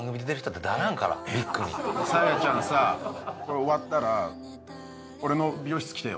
サーヤちゃんさこれ終わったら俺の美容室来てよ